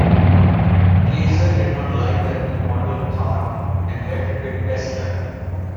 Kaiser did not like the remodeled car and left it with Besler.